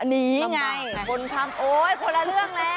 อันนี้ไงคนทำโอ๊ยคนละเรื่องแล้ว